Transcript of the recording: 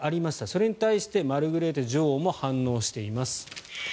それに対してマルグレーテ女王も反応しています。